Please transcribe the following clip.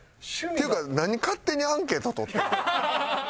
っていうか何勝手にアンケート取ってん。